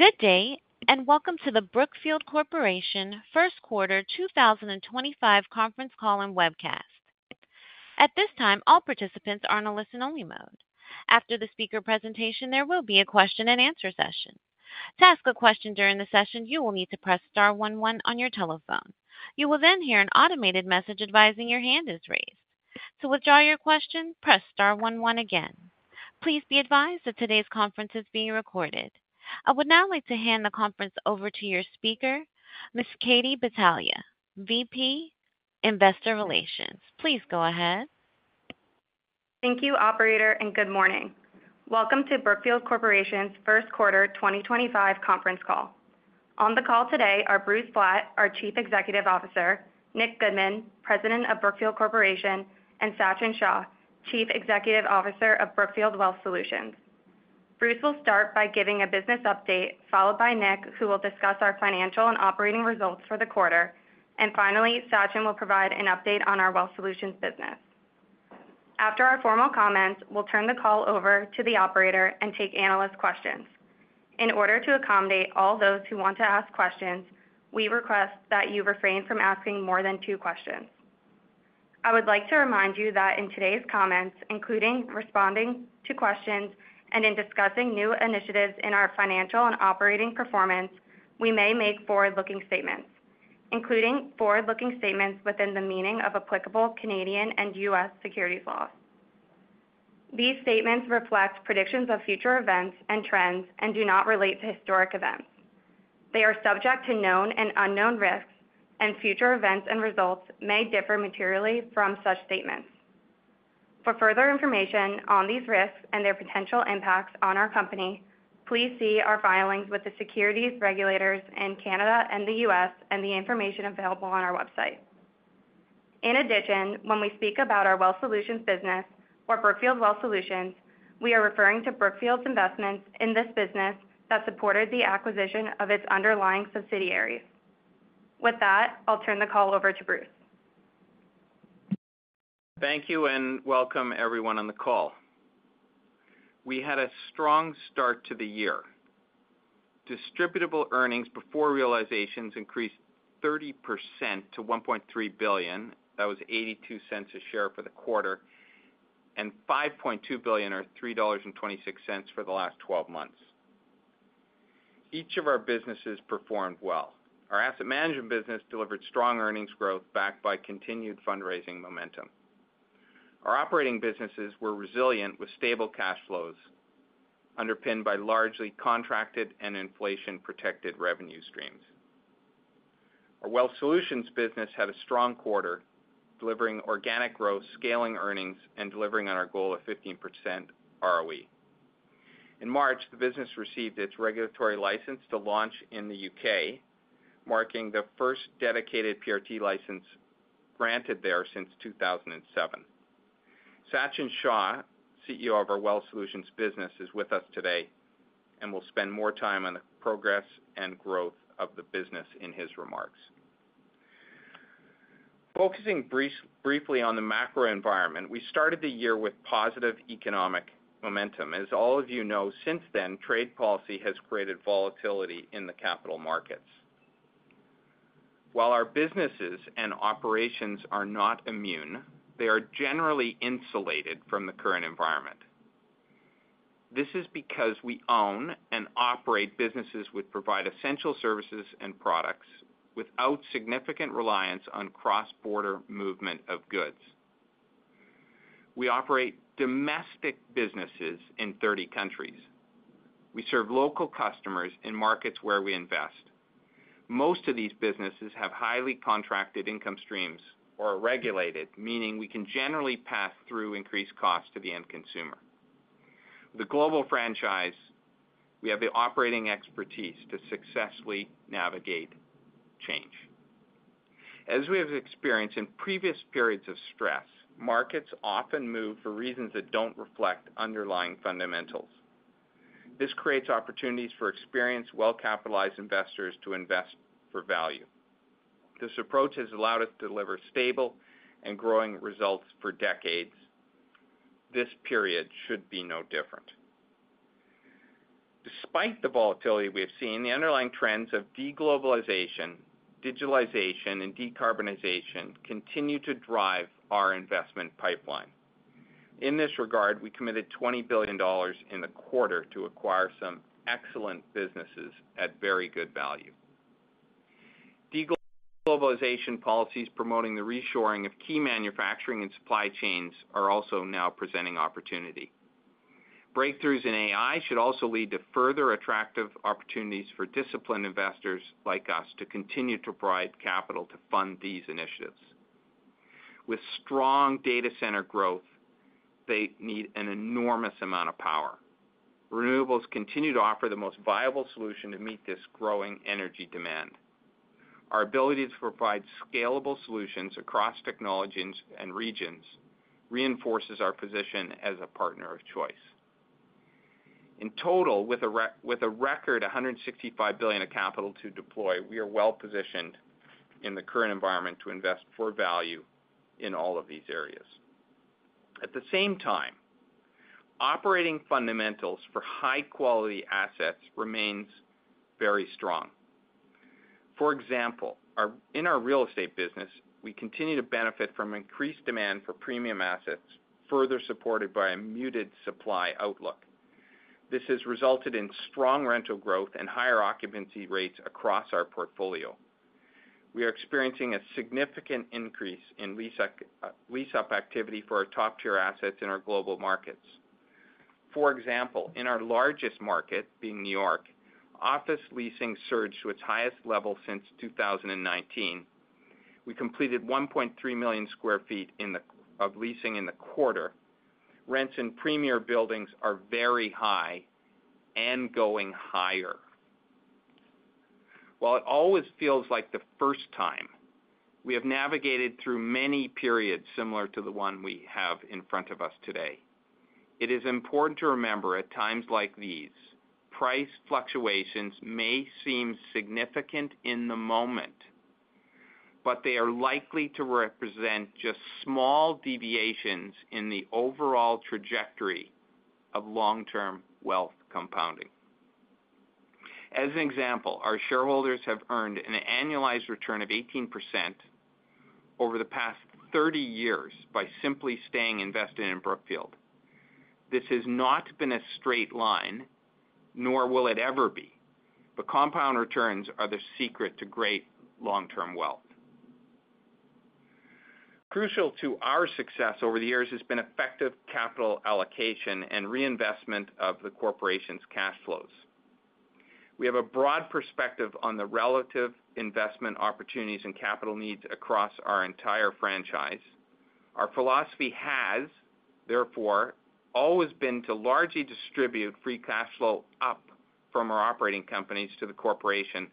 Good day, and welcome to the Brookfield Corporation first quarter 2025 conference call and webcast. At this time, all participants are on a listen-only mode. After the speaker presentation, there will be a question-and-answer session. To ask a question during the session, you will need to press star one one on your telephone. You will then hear an automated message advising your hand is raised. To withdraw your question, press star one one again. Please be advised that today's conference is being recorded. I would now like to hand the conference over to your speaker, Ms. Katie Battaglia, VP, Investor Relations. Please go ahead. Thank you, Operator, and good morning. Welcome to Brookfield Corporation's first quarter 2025 conference call. On the call today are Bruce Flatt, our Chief Executive Officer, Nick Goodman, President of Brookfield Corporation, and Sachin Shah, Chief Executive Officer of Brookfield Wealth Solutions. Bruce will start by giving a business update, followed by Nick, who will discuss our financial and operating results for the quarter, and finally, Sachin will provide an update on our Wealth Solutions business. After our formal comments, we'll turn the call over to the Operator and take analyst questions. In order to accommodate all those who want to ask questions, we request that you refrain from asking more than two questions. I would like to remind you that in today's comments, including responding to questions and in discussing new initiatives in our financial and operating performance, we may make forward-looking statements, including forward-looking statements within the meaning of applicable Canadian and U.S. securities laws. These statements reflect predictions of future events and trends and do not relate to historic events. They are subject to known and unknown risks, and future events and results may differ materially from such statements. For further information on these risks and their potential impacts on our company, please see our filings with the securities regulators in Canada and the U.S. and the information available on our website. In addition, when we speak about our Wealth Solutions business, or Brookfield Wealth Solutions, we are referring to Brookfield's investments in this business that supported the acquisition of its underlying subsidiaries. With that, I'll turn the call over to Bruce. Thank you, and welcome everyone on the call. We had a strong start to the year. Distributable Earnings before realizations increased 30% to $1.3 billion. That was $0.82 a share for the quarter, and $5.2 billion, or $3.26, for the last 12 months. Each of our businesses performed well. Our asset management business delivered strong earnings growth backed by continued fundraising momentum. Our operating businesses were resilient with stable cash flows underpinned by largely contracted and inflation-protected revenue streams. Our Wealth Solutions business had a strong quarter, delivering organic growth, scaling earnings, and delivering on our goal of 15% ROE. In March, the business received its regulatory license to launch in the U.K., marking the first dedicated PRT license granted there since 2007. Sachin Shah, CEO of our Wealth Solutions business, is with us today and will spend more time on the progress and growth of the business in his remarks. Focusing briefly on the macro environment, we started the year with positive economic momentum. As all of you know, since then, trade policy has created volatility in the capital markets. While our businesses and operations are not immune, they are generally insulated from the current environment. This is because we own and operate businesses which provide essential services and products without significant reliance on cross-border movement of goods. We operate domestic businesses in 30 countries. We serve local customers in markets where we invest. Most of these businesses have highly contracted income streams or are regulated, meaning we can generally pass through increased costs to the end consumer. With a global franchise, we have the operating expertise to successfully navigate change. As we have experienced in previous periods of stress, markets often move for reasons that don't reflect underlying fundamentals. This creates opportunities for experienced, well-capitalized investors to invest for value. This approach has allowed us to deliver stable and growing results for decades. This period should be no different. Despite the volatility we have seen, the underlying trends of deglobalization, digitalization, and decarbonization continue to drive our investment pipeline. In this regard, we committed $20 billion in the quarter to acquire some excellent businesses at very good value. Deglobalization policies promoting the reshoring of key manufacturing and supply chains are also now presenting opportunity. Breakthroughs in AI should also lead to further attractive opportunities for disciplined investors like us to continue to provide capital to fund these initiatives. With strong data center growth, they need an enormous amount of power. Renewables continue to offer the most viable solution to meet this growing energy demand. Our ability to provide scalable solutions across technologies and regions reinforces our position as a partner of choice. In total, with a record $165 billion of capital to deploy, we are well-positioned in the current environment to invest for value in all of these areas. At the same time, operating fundamentals for high-quality assets remain very strong. For example, in our real estate business, we continue to benefit from increased demand for premium assets, further supported by a muted supply outlook. This has resulted in strong rental growth and higher occupancy rates across our portfolio. We are experiencing a significant increase in lease-up activity for our top-tier assets in our global markets. For example, in our largest market, being New York, office leasing surged to its highest level since 2019. We completed 1.3 million sq ft of leasing in the quarter. Rents in premier buildings are very high and going higher. While it always feels like the first time, we have navigated through many periods similar to the one we have in front of us today. It is important to remember, at times like these, price fluctuations may seem significant in the moment, but they are likely to represent just small deviations in the overall trajectory of long-term wealth compounding. As an example, our shareholders have earned an annualized return of 18% over the past 30 years by simply staying invested in Brookfield. This has not been a straight line, nor will it ever be. But compound returns are the secret to great long-term wealth. Crucial to our success over the years has been effective capital allocation and reinvestment of the corporation's cash flows. We have a broad perspective on the relative investment opportunities and capital needs across our entire franchise. Our philosophy has, therefore, always been to largely distribute free cash flow up from our operating companies to the corporation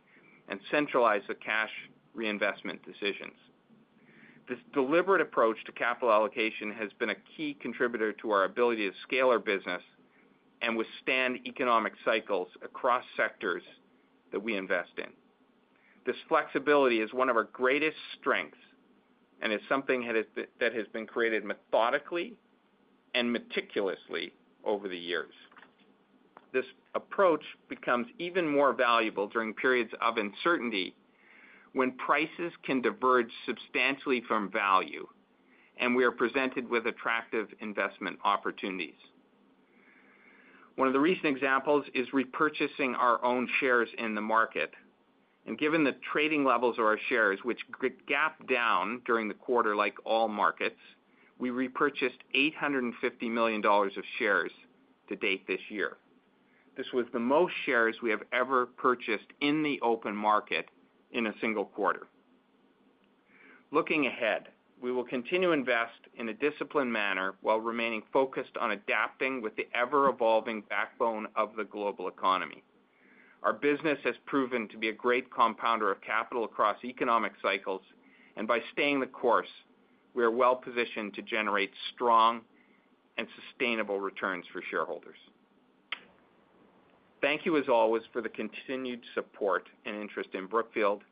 and centralize the cash reinvestment decisions. This deliberate approach to capital allocation has been a key contributor to our ability to scale our business and withstand economic cycles across sectors that we invest in. This flexibility is one of our greatest strengths and is something that has been created methodically and meticulously over the years. This approach becomes even more valuable during periods of uncertainty when prices can diverge substantially from value, and we are presented with attractive investment opportunities. One of the recent examples is repurchasing our own shares in the market. Given the trading levels of our shares, which gapped down during the quarter like all markets, we repurchased $850 million of shares to date this year. This was the most shares we have ever purchased in the open market in a single quarter. Looking ahead, we will continue to invest in a disciplined manner while remaining focused on adapting with the ever-evolving backbone of the global economy. Our business has proven to be a great compounder of capital across economic cycles, and by staying the course, we are well-positioned to generate strong and sustainable returns for shareholders. Thank you, as always, for the continued support and interest in Brookfield.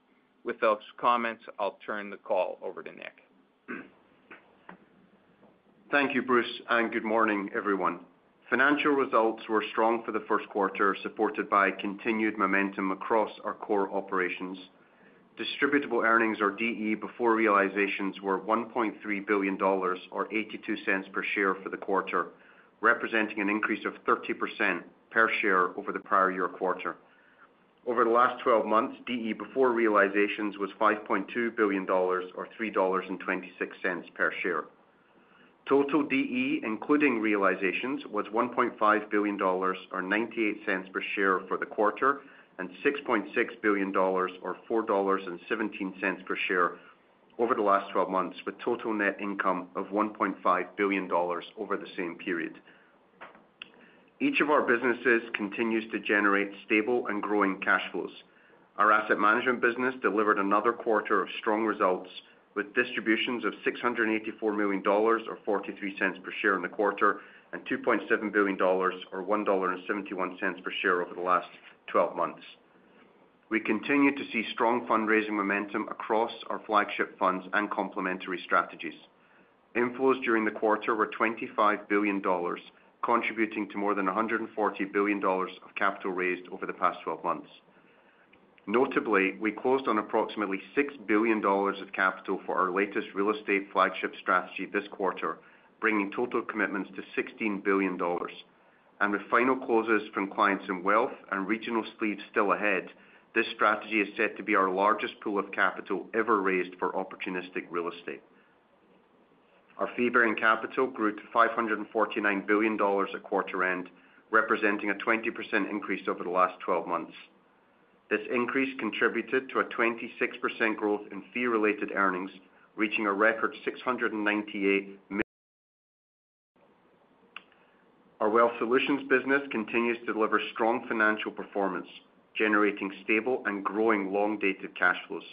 With those comments, I'll turn the call over to Nick. Thank you, Bruce, and good morning, everyone. Financial results were strong for the first quarter, supported by continued momentum across our core operations. Distributable Earnings, or DE, before realizations were $1.3 billion, or $0.82 per share for the quarter, representing an increase of 30% per share over the prior year quarter. Over the last 12 months, DE before realizations was $5.2 billion, or $3.26 per share. Total DE, including realizations, was $1.5 billion, or $0.98 per share for the quarter, and $6.6 billion, or $4.17 per share over the last 12 months, with total net income of $1.5 billion over the same period. Each of our businesses continues to generate stable and growing cash flows. Our asset management business delivered another quarter of strong results, with distributions of $684 million, or $0.43 per share in the quarter, and $2.7 billion, or $1.71 per share over the last 12 months. We continue to see strong fundraising momentum across our flagship funds and complementary strategies. Inflows during the quarter were $25 billion, contributing to more than $140 billion of capital raised over the past 12 months. Notably, we closed on approximately $6 billion of capital for our latest real estate flagship strategy this quarter, bringing total commitments to $16 billion, and with final closes from clients in wealth and regional sleeves still ahead, this strategy is set to be our largest pool of capital ever raised for opportunistic real estate. Our fee-bearing capital grew to $549 billion at quarter end, representing a 20% increase over the last 12 months. This increase contributed to a 26% growth in Fee-Related Earnings, reaching a record $698 million. Our Wealth Solutions business continues to deliver strong financial performance, generating stable and growing long-dated cash flows.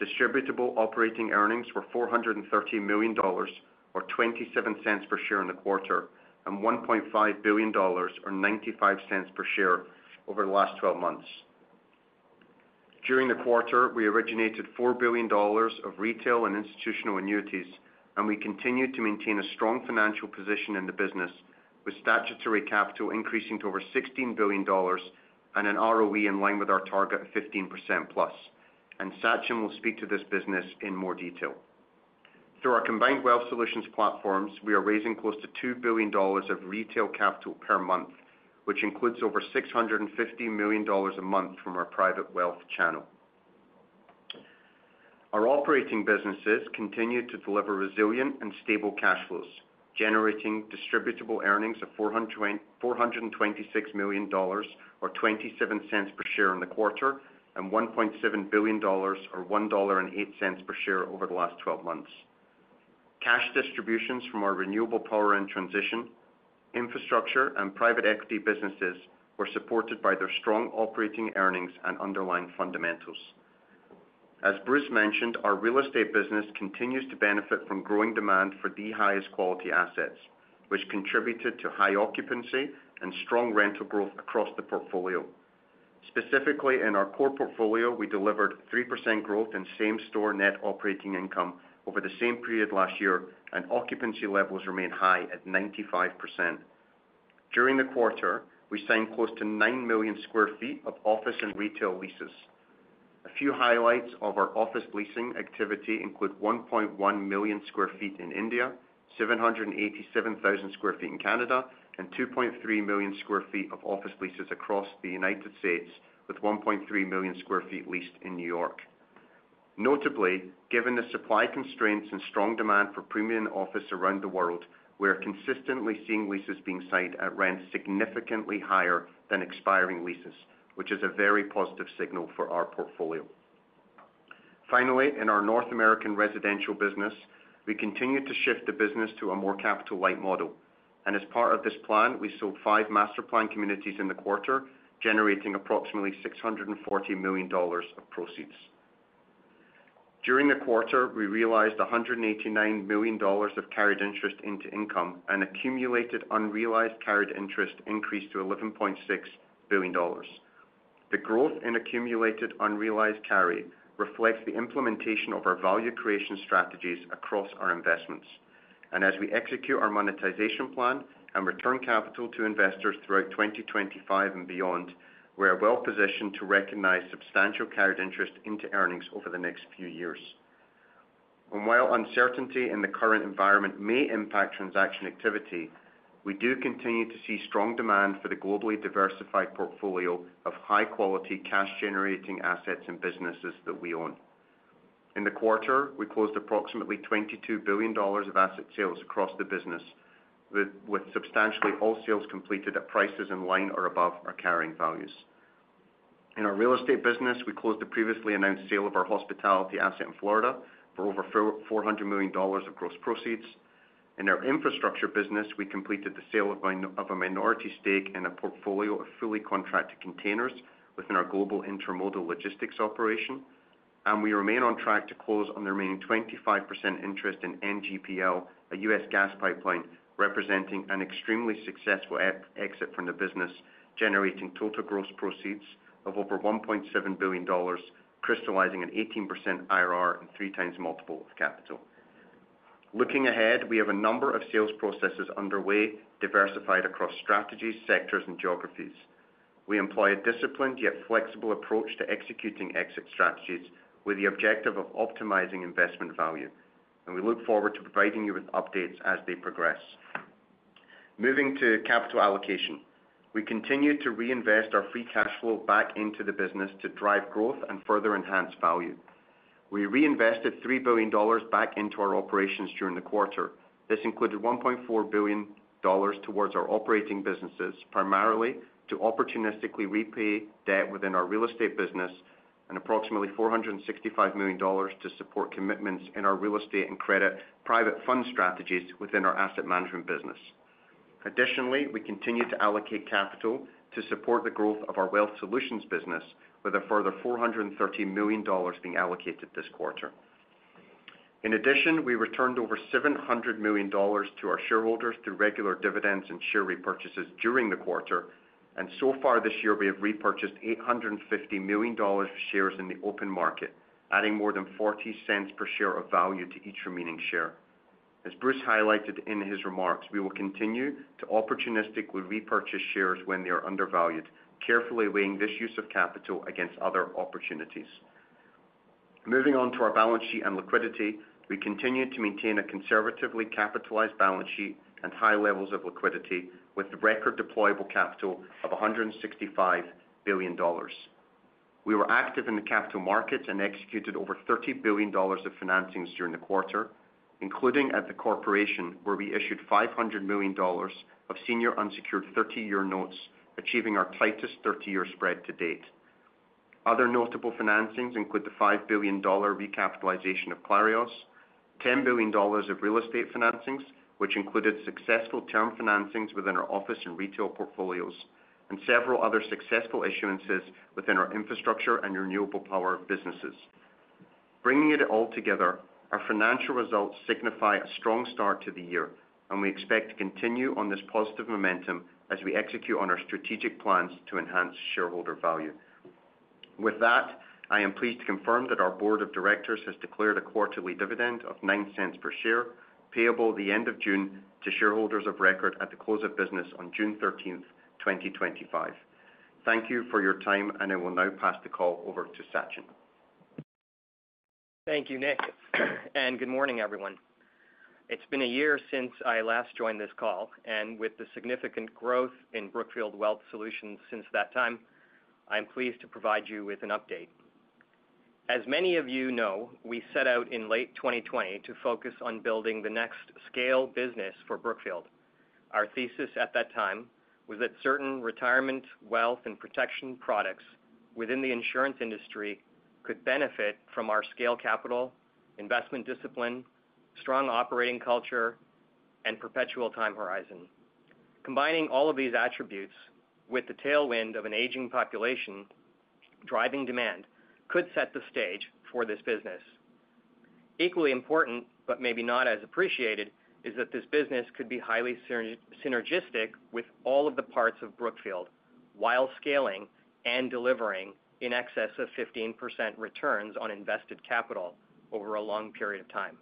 Distributable Operating Earnings were $430 million, or $0.27 per share in the quarter, and $1.5 billion, or $0.95 per share over the last 12 months. During the quarter, we originated $4 billion of retail and institutional annuities, and we continue to maintain a strong financial position in the business, with statutory capital increasing to over $16 billion and an ROE in line with our target of 15%+, and Sachin will speak to this business in more detail. Through our combined Wealth Solutions platforms, we are raising close to $2 billion of retail capital per month, which includes over $650 million a month from our private wealth channel. Our operating businesses continue to deliver resilient and stable cash flows, generating Distributable Earnings of $426 million, or $0.27 per share in the quarter, and $1.7 billion, or $1.08 per share over the last 12 months. Cash distributions from our renewable power and transition, infrastructure, and private equity businesses were supported by their strong operating earnings and underlying fundamentals. As Bruce mentioned, our real estate business continues to benefit from growing demand for the highest quality assets, which contributed to high occupancy and strong rental growth across the portfolio. Specifically, in our core portfolio, we delivered 3% growth in Same-Store Net Operating Income over the same period last year, and occupancy levels remained high at 95%. During the quarter, we signed close to 9 million sq ft of office and retail leases. A few highlights of our office leasing activity include 1.1 million sq ft in India, 787,000 sq ft in Canada, and 2.3 million sq ft of office leases across the United States, with 1.3 million sq ft leased in New York. Notably, given the supply constraints and strong demand for premium office around the world, we are consistently seeing leases being signed at rent significantly higher than expiring leases, which is a very positive signal for our portfolio. Finally, in our North American residential business, we continue to shift the business to a more capital-light model. And as part of this plan, we sold five master-planned communities in the quarter, generating approximately $640 million of proceeds. During the quarter, we realized $189 million of carried interest into income, and accumulated unrealized carried interest increased to $11.6 billion. The growth in accumulated unrealized carry reflects the implementation of our value creation strategies across our investments. And as we execute our monetization plan and return capital to investors throughout 2025 and beyond, we are well-positioned to recognize substantial carried interest into earnings over the next few years. While uncertainty in the current environment may impact transaction activity, we do continue to see strong demand for the globally diversified portfolio of high-quality cash-generating assets and businesses that we own. In the quarter, we closed approximately $22 billion of asset sales across the business, with substantially all sales completed at prices in line or above our carrying values. In our real estate business, we closed the previously announced sale of our hospitality asset in Florida for over $400 million of gross proceeds. In our infrastructure business, we completed the sale of a minority stake in a portfolio of fully contracted containers within our global intermodal logistics operation. And we remain on track to close on the remaining 25% interest in NGPL, a U.S. gas pipeline representing an extremely successful exit from the business, generating total gross proceeds of over $1.7 billion, crystallizing an 18% IRR and three times multiple of capital. Looking ahead, we have a number of sales processes underway, diversified across strategies, sectors, and geographies. We employ a disciplined yet flexible approach to executing exit strategies with the objective of optimizing investment value. And we look forward to providing you with updates as they progress. Moving to capital allocation, we continue to reinvest our free cash flow back into the business to drive growth and further enhance value. We reinvested $3 billion back into our operations during the quarter. This included $1.4 billion towards our operating businesses, primarily to opportunistically repay debt within our real estate business, and approximately $465 million to support commitments in our real estate and credit private fund strategies within our asset management business. Additionally, we continue to allocate capital to support the growth of our Wealth Solutions business, with a further $430 million being allocated this quarter. In addition, we returned over $700 million to our shareholders through regular dividends and share repurchases during the quarter. And so far this year, we have repurchased $850 million of shares in the open market, adding more than $0.40 per share of value to each remaining share. As Bruce highlighted in his remarks, we will continue to opportunistically repurchase shares when they are undervalued, carefully weighing this use of capital against other opportunities. Moving on to our balance sheet and liquidity, we continue to maintain a conservatively capitalized balance sheet and high levels of liquidity, with record deployable capital of $165 billion. We were active in the capital markets and executed over $30 billion of financings during the quarter, including at the corporation, where we issued $500 million of senior unsecured 30-year notes, achieving our tightest 30-year spread to date. Other notable financings include the $5 billion recapitalization of Clarios, $10 billion of real estate financings, which included successful term financings within our office and retail portfolios, and several other successful issuances within our infrastructure and renewable power businesses. Bringing it all together, our financial results signify a strong start to the year, and we expect to continue on this positive momentum as we execute on our strategic plans to enhance shareholder value. With that, I am pleased to confirm that our board of directors has declared a quarterly dividend of $0.09 per share, payable at the end of June, to shareholders of record at the close of business on June 13, 2025. Thank you for your time, and I will now pass the call over to Sachin. Thank you, Nick. And good morning, everyone. It's been a year since I last joined this call, and with the significant growth in Brookfield Wealth Solutions since that time, I'm pleased to provide you with an update. As many of you know, we set out in late 2020 to focus on building the next scale business for Brookfield. Our thesis at that time was that certain retirement, wealth, and protection products within the insurance industry could benefit from our scale capital, investment discipline, strong operating culture, and perpetual time horizon. Combining all of these attributes with the tailwind of an aging population driving demand could set the stage for this business. Equally important, but maybe not as appreciated, is that this business could be highly synergistic with all of the parts of Brookfield while scaling and delivering in excess of 15% returns on invested capital over a long period of time.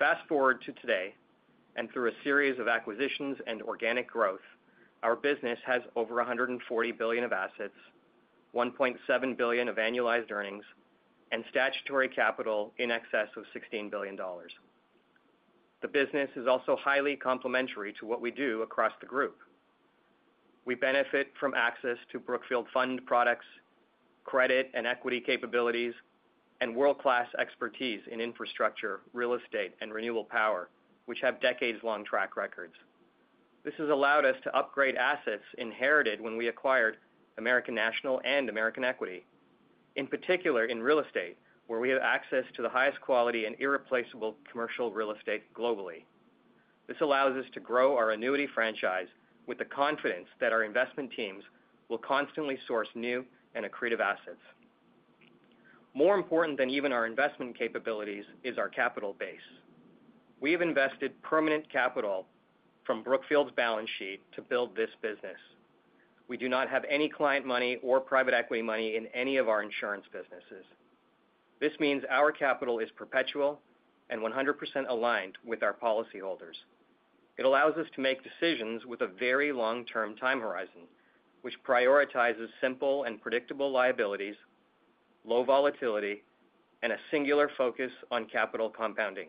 Fast forward to today, and through a series of acquisitions and organic growth, our business has over $140 billion of assets, $1.7 billion of annualized earnings, and statutory capital in excess of $16 billion. The business is also highly complementary to what we do across the group. We benefit from access to Brookfield fund products, credit and equity capabilities, and world-class expertise in infrastructure, real estate, and renewable power, which have decades-long track records. This has allowed us to upgrade assets inherited when we acquired American National and American Equity, in particular in real estate, where we have access to the highest quality and irreplaceable commercial real estate globally. This allows us to grow our annuity franchise with the confidence that our investment teams will constantly source new and accretive assets. More important than even our investment capabilities is our capital base. We have invested permanent capital from Brookfield's balance sheet to build this business. We do not have any client money or private equity money in any of our insurance businesses. This means our capital is perpetual and 100% aligned with our policyholders. It allows us to make decisions with a very long-term time horizon, which prioritizes simple and predictable liabilities, low volatility, and a singular focus on capital compounding.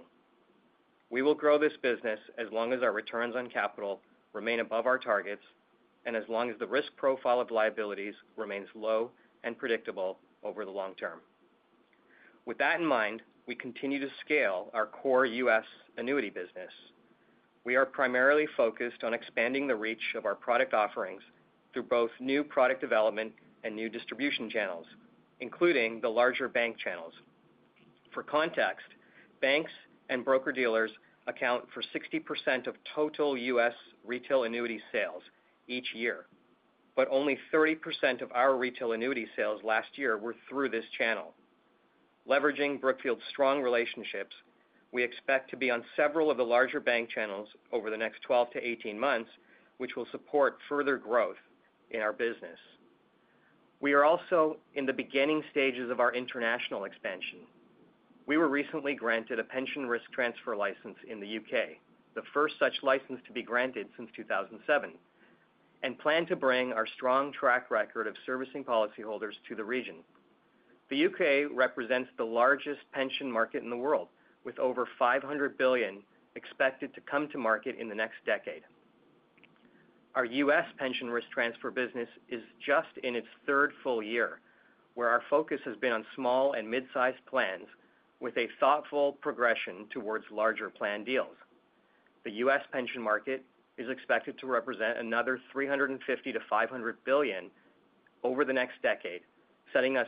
We will grow this business as long as our returns on capital remain above our targets and as long as the risk profile of liabilities remains low and predictable over the long term. With that in mind, we continue to scale our core U.S. annuity business. We are primarily focused on expanding the reach of our product offerings through both new product development and new distribution channels, including the larger bank channels. For context, banks and broker-dealers account for 60% of total U.S. retail annuity sales each year, but only 30% of our retail annuity sales last year were through this channel. Leveraging Brookfield's strong relationships, we expect to be on several of the larger bank channels over the next 12 to 18 months, which will support further growth in our business. We are also in the beginning stages of our international expansion. We were recently granted a pension risk transfer license in the U.K., the first such license to be granted since 2007, and plan to bring our strong track record of servicing policyholders to the region. The U.K. represents the largest pension market in the world, with over $500 billion expected to come to market in the next decade. Our U.S. pension risk transfer business is just in its third full year, where our focus has been on small and mid-sized plans with a thoughtful progression towards larger plan deals. The U.S. pension market is expected to represent another $350 billion-$500 billion over the next decade, setting us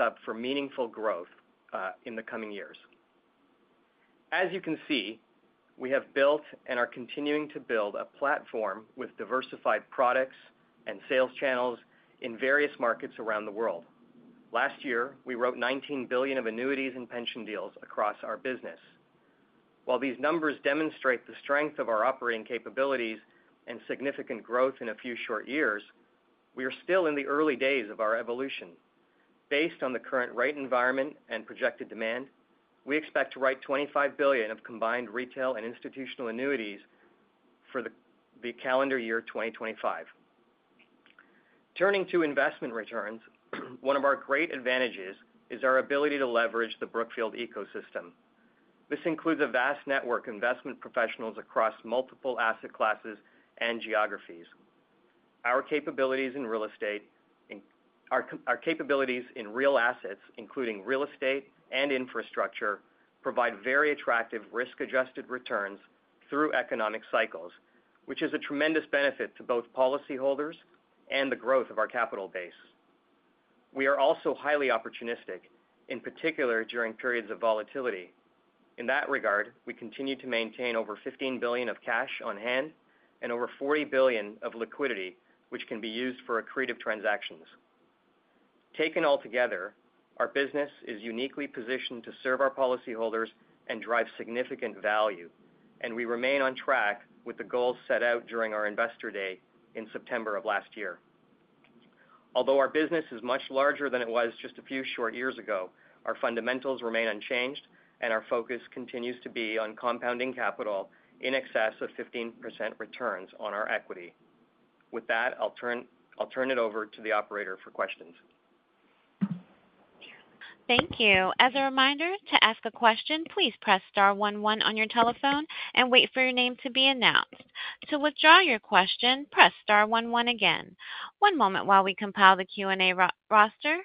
up for meaningful growth in the coming years. As you can see, we have built and are continuing to build a platform with diversified products and sales channels in various markets around the world. Last year, we wrote $19 billion of annuities and pension deals across our business. While these numbers demonstrate the strength of our operating capabilities and significant growth in a few short years, we are still in the early days of our evolution. Based on the current rate environment and projected demand, we expect to write $25 billion of combined retail and institutional annuities for the calendar year 2025. Turning to investment returns, one of our great advantages is our ability to leverage the Brookfield ecosystem. This includes a vast network of investment professionals across multiple asset classes and geographies. Our capabilities in real estate, our capabilities in real assets, including real estate and infrastructure, provide very attractive risk-adjusted returns through economic cycles, which is a tremendous benefit to both policyholders and the growth of our capital base. We are also highly opportunistic, in particular during periods of volatility. In that regard, we continue to maintain over $15 billion of cash on hand and over $40 billion of liquidity, which can be used for accretive transactions. Taken altogether, our business is uniquely positioned to serve our policyholders and drive significant value, and we remain on track with the goals set out during our Investor Day in September of last year. Although our business is much larger than it was just a few short years ago, our fundamentals remain unchanged, and our focus continues to be on compounding capital in excess of 15% returns on our equity. With that, I'll turn it over to the operator for questions. Thank you. As a reminder, to ask a question, please press star one one on your telephone and wait for your name to be announced. To withdraw your question, press star one one again. One moment while we compile the Q&A roster.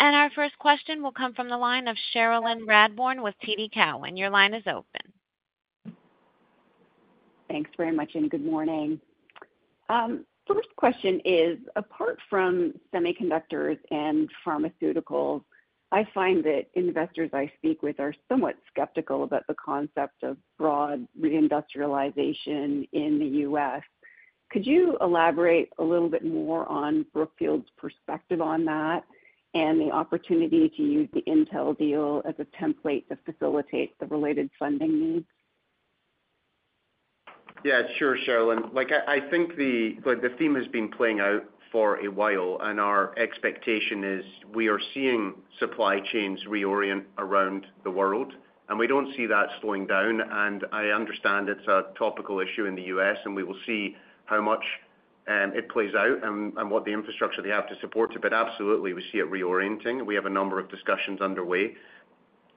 And our first question will come from the line of Cherilyn Radbourne with TD Cowen. Your line is open. Thanks very much and good morning. First question is, apart from semiconductors and pharmaceuticals, I find that investors I speak with are somewhat skeptical about the concept of broad reindustrialization in the U.S. Could you elaborate a little bit more on Brookfield's perspective on that and the opportunity to use the Intel deal as a template to facilitate the related funding needs? Yeah, sure, Cherilyn. I think the theme has been playing out for a while, and our expectation is we are seeing supply chains reorient around the world, and we don't see that slowing down, and I understand it's a topical issue in the U.S., and we will see how much it plays out and what the infrastructure they have to support it, but absolutely, we see it reorienting. We have a number of discussions underway,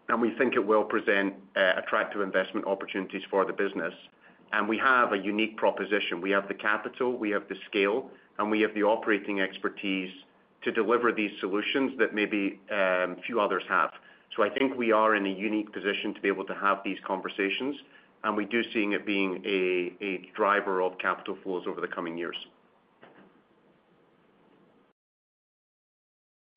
and we think it will present attractive investment opportunities for the business, and we have a unique proposition. We have the capital, we have the scale, and we have the operating expertise to deliver these solutions that maybe few others have, so I think we are in a unique position to be able to have these conversations, and we do see it being a driver of capital flows over the coming years.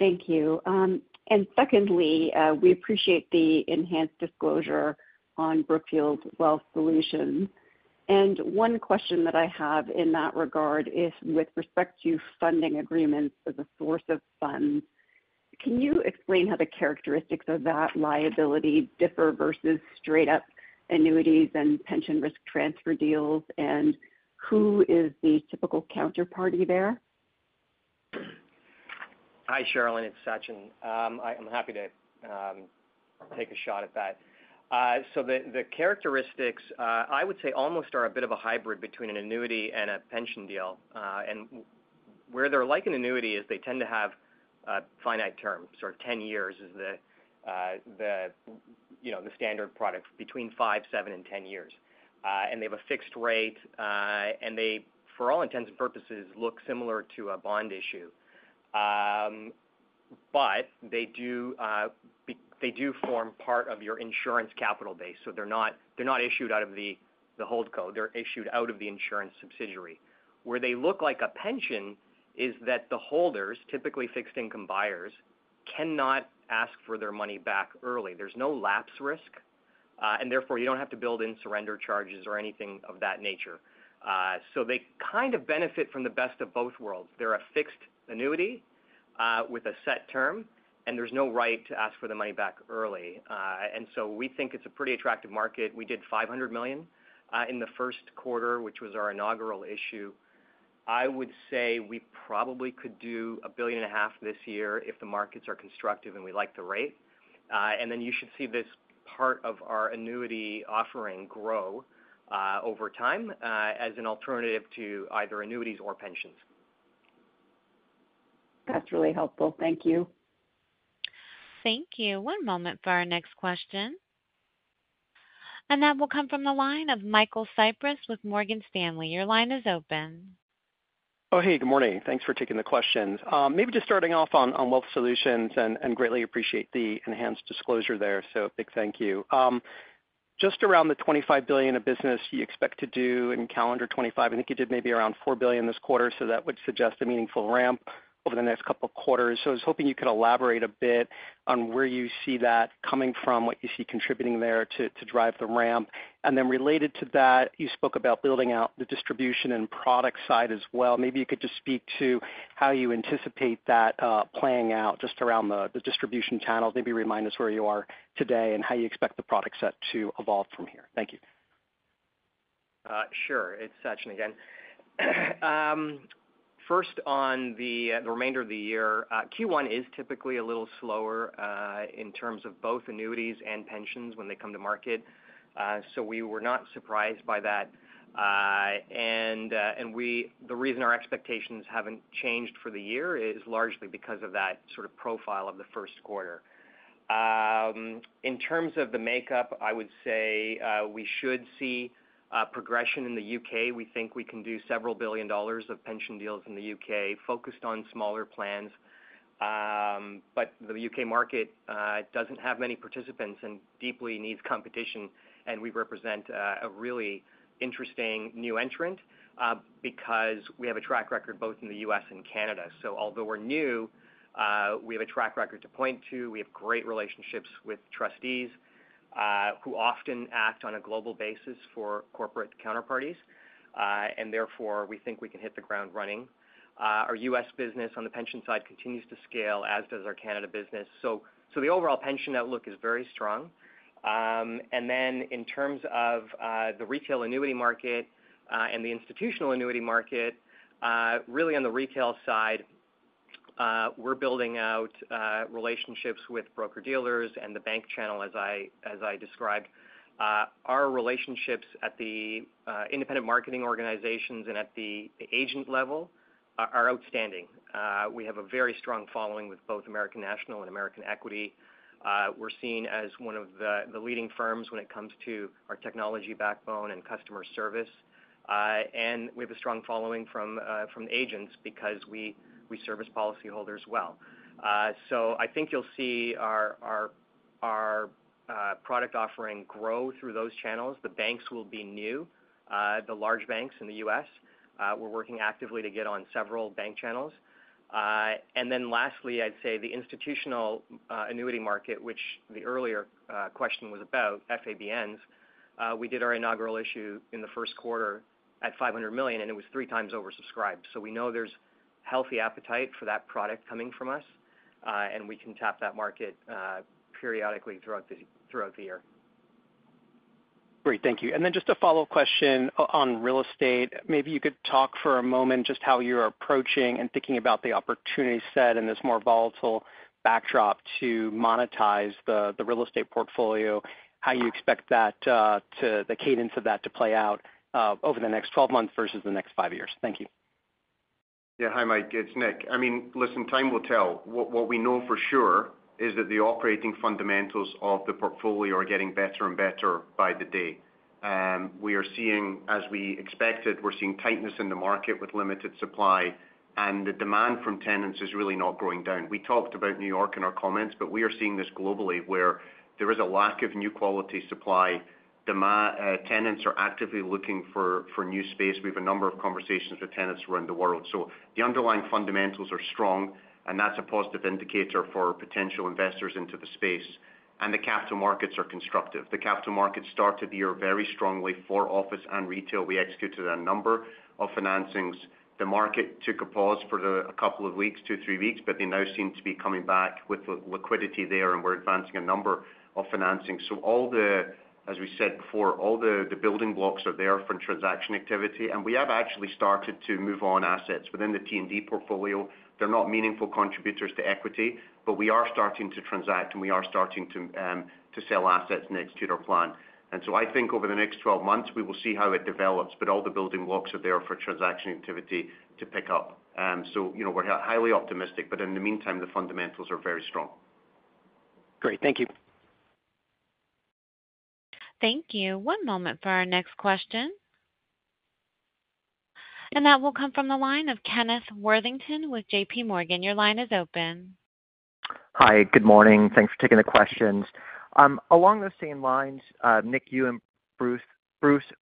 Thank you. And secondly, we appreciate the enhanced disclosure on Brookfield Wealth Solutions. And one question that I have in that regard is with respect to funding agreements as a source of funds. Can you explain how the characteristics of that liability differ versus straight-up annuities and pension risk transfer deals, and who is the typical counterparty there? Hi, Cherilyn. It's Sachin. I'm happy to take a shot at that. So the characteristics, I would say, almost are a bit of a hybrid between an annuity and a pension deal. And where they're like an annuity is they tend to have finite terms, sort of 10 years is the standard product, between five, seven, and 10 years. And they have a fixed rate, and they, for all intents and purposes, look similar to a bond issue. But they do form part of your insurance capital base, so they're not issued out of the holdco. They're issued out of the insurance subsidiary. Where they look like a pension is that the holders, typically fixed-income buyers, cannot ask for their money back early. There's no lapse risk, and therefore you don't have to build in surrender charges or anything of that nature. So they kind of benefit from the best of both worlds. They're a fixed annuity with a set term, and there's no right to ask for the money back early. And so we think it's a pretty attractive market. We did $500 million in the first quarter, which was our inaugural issue. I would say we probably could do $1.5 billion this year if the markets are constructive and we like the rate. And then you should see this part of our annuity offering grow over time as an alternative to either annuities or pensions. That's really helpful. Thank you. Thank you. One moment for our next question. And that will come from the line of Michael Cyprys with Morgan Stanley. Your line is open. Oh, hey, good morning. Thanks for taking the question. Maybe just starting off on Wealth Solutions, and greatly appreciate the enhanced disclosure there, so a big thank you. Just around the $25 billion of business you expect to do in calendar 2025, I think you did maybe around $4 billion this quarter, so that would suggest a meaningful ramp over the next couple of quarters. So I was hoping you could elaborate a bit on where you see that coming from, what you see contributing there to drive the ramp. And then related to that, you spoke about building out the distribution and product side as well. Maybe you could just speak to how you anticipate that playing out just around the distribution channels. Maybe remind us where you are today and how you expect the product set to evolve from here. Thank you. Sure. It's Sachin again. First, on the remainder of the year, Q1 is typically a little slower in terms of both annuities and pensions when they come to market, so we were not surprised by that, and the reason our expectations haven't changed for the year is largely because of that sort of profile of the first quarter. In terms of the makeup, I would say we should see progression in the U.K. We think we can do several billion dollars of pension deals in the U.K. focused on smaller plans, but the U.K. market doesn't have many participants and deeply needs competition, and we represent a really interesting new entrant because we have a track record both in the U.S. and Canada, so although we're new, we have a track record to point to. We have great relationships with trustees who often act on a global basis for corporate counterparties, and therefore we think we can hit the ground running. Our U.S. business on the pension side continues to scale, as does our Canada business. So the overall pension outlook is very strong. And then in terms of the retail annuity market and the institutional annuity market, really on the retail side, we're building out relationships with broker-dealers and the bank channel, as I described. Our relationships at the independent marketing organizations and at the agent level are outstanding. We have a very strong following with both American National and American Equity. We're seen as one of the leading firms when it comes to our technology backbone and customer service. And we have a strong following from the agents because we service policyholders well. So I think you'll see our product offering grow through those channels. The banks will be new, the large banks in the U.S. We're working actively to get on several bank channels. And then lastly, I'd say the institutional annuity market, which the earlier question was about, FABNs, we did our inaugural issue in the first quarter at $500 million, and it was 3x oversubscribed. So we know there's healthy appetite for that product coming from us, and we can tap that market periodically throughout the year. Great. Thank you. And then just a follow-up question on real estate. Maybe you could talk for a moment just how you're approaching and thinking about the opportunity set and this more volatile backdrop to monetize the real estate portfolio, how you expect the cadence of that to play out over the next 12 months versus the next five years. Thank you. Yeah. Hi, Mike. It's Nick. I mean, listen, time will tell. What we know for sure is that the operating fundamentals of the portfolio are getting better and better by the day. We are seeing, as we expected, we're seeing tightness in the market with limited supply, and the demand from tenants is really not going down. We talked about New York in our comments, but we are seeing this globally where there is a lack of new quality supply. Tenants are actively looking for new space. We have a number of conversations with tenants around the world. So the underlying fundamentals are strong, and that's a positive indicator for potential investors into the space. And the capital markets are constructive. The capital markets started the year very strongly for office and retail. We executed a number of financings. The market took a pause for a couple of weeks, two, three weeks, but they now seem to be coming back with the liquidity there, and we're advancing a number of financings. So all the, as we said before, all the building blocks are there for transaction activity, and we have actually started to move on assets within the T&D portfolio. They're not meaningful contributors to equity, but we are starting to transact, and we are starting to sell assets and execute our plan. And so I think over the next 12 months, we will see how it develops, but all the building blocks are there for transaction activity to pick up. So we're highly optimistic, but in the meantime, the fundamentals are very strong. Great. Thank you. Thank you. One moment for our next question. That will come from the line of Kenneth Worthington with JPMorgan. Your line is open. Hi. Good morning. Thanks for taking the questions. Along those same lines, Nick, you and Bruce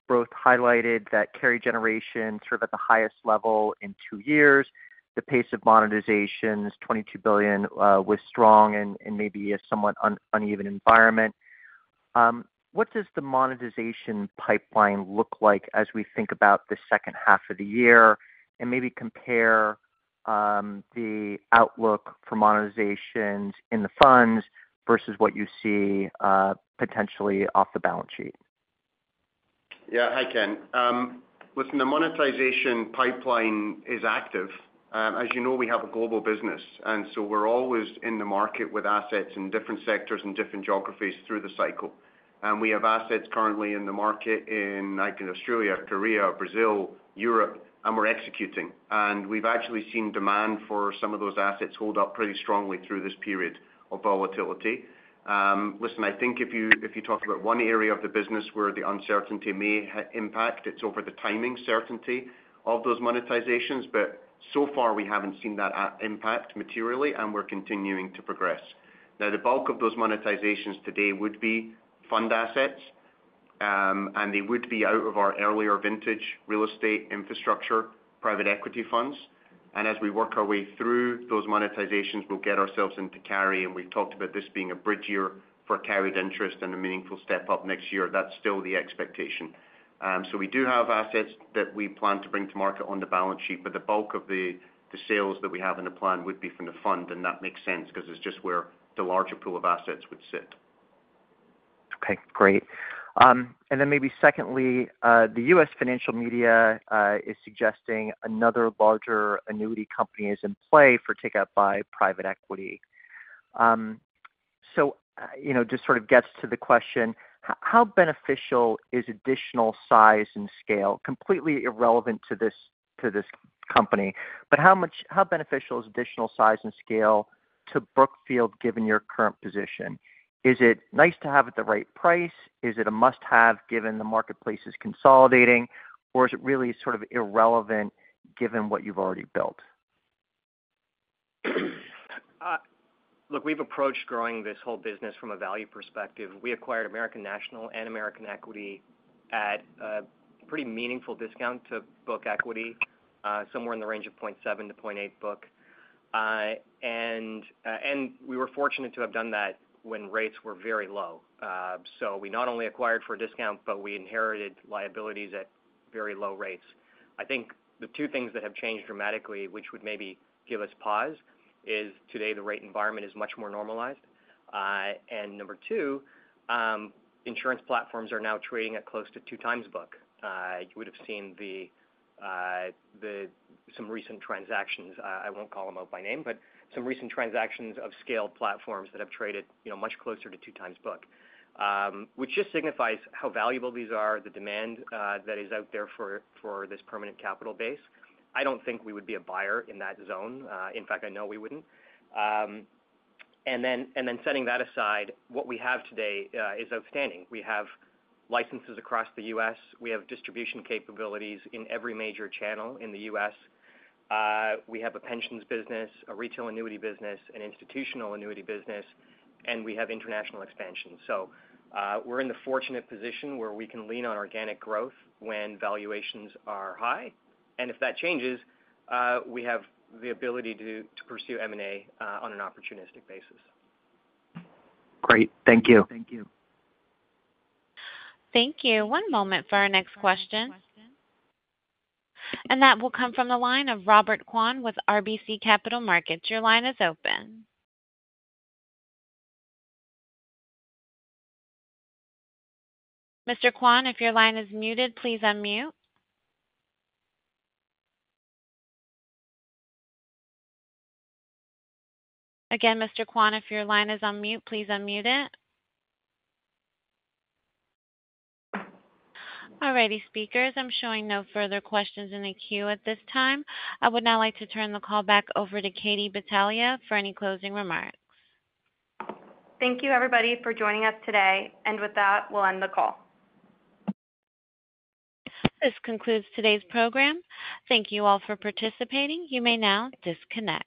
both highlighted that carry generation sort of at the highest level in two years. The pace of monetization is $22 billion with strong and maybe a somewhat uneven environment. What does the monetization pipeline look like as we think about the second half of the year and maybe compare the outlook for monetizations in the funds versus what you see potentially off the balance sheet? Yeah. Hi, Ken. Listen, the monetization pipeline is active. As you know, we have a global business, and so we're always in the market with assets in different sectors and different geographies through the cycle. And we have assets currently in the market in, I think, Australia, Korea, Brazil, Europe, and we're executing. And we've actually seen demand for some of those assets hold up pretty strongly through this period of volatility. Listen, I think if you talk about one area of the business where the uncertainty may impact, it's over the timing certainty of those monetizations. But so far, we haven't seen that impact materially, and we're continuing to progress. Now, the bulk of those monetizations today would be fund assets, and they would be out of our earlier vintage real estate infrastructure, private equity funds. As we work our way through those monetizations, we'll get ourselves into carry, and we've talked about this being a bridge year for carried interest and a meaningful step up next year. That's still the expectation, so we do have assets that we plan to bring to market on the balance sheet, but the bulk of the sales that we have in the plan would be from the fund, and that makes sense because it's just where the larger pool of assets would sit. Okay. Great. And then maybe secondly, the U.S. financial media is suggesting another larger annuity company is in play for takeout by private equity. So just sort of gets to the question, how beneficial is additional size and scale, completely irrelevant to this company, but how beneficial is additional size and scale to Brookfield given your current position? Is it nice to have at the right price? Is it a must-have given the marketplace is consolidating, or is it really sort of irrelevant given what you've already built? Look, we've approached growing this whole business from a value perspective. We acquired American National and American Equity at a pretty meaningful discount to book equity, somewhere in the range of 0.7-0.8 book, and we were fortunate to have done that when rates were very low, so we not only acquired for a discount, but we inherited liabilities at very low rates. I think the two things that have changed dramatically, which would maybe give us pause, is today the rate environment is much more normalized, and number two, insurance platforms are now trading at close to 2x book. You would have seen some recent transactions. I won't call them out by name, but some recent transactions of scaled platforms that have traded much closer to two times book, which just signifies how valuable these are, the demand that is out there for this permanent capital base. I don't think we would be a buyer in that zone. In fact, I know we wouldn't, and then setting that aside, what we have today is outstanding. We have licenses across the U.S. We have distribution capabilities in every major channel in the U.S. We have a pensions business, a retail annuity business, an institutional annuity business, and we have international expansion, so we're in the fortunate position where we can lean on organic growth when valuations are high, and if that changes, we have the ability to pursue M&A on an opportunistic basis. Great. Thank you. Thank you. Thank you. One moment for our next question. And that will come from the line of Robert Kwan with RBC Capital Markets. Your line is open. Mr. Kwan, if your line is muted, please unmute. Again, Mr. Kwan, if your line is on mute, please unmute it. All righty, speakers. I'm showing no further questions in the queue at this time. I would now like to turn the call back over to Katie Battaglia for any closing remarks. Thank you, everybody, for joining us today. And with that, we'll end the call. This concludes today's program. Thank you all for participating. You may now disconnect.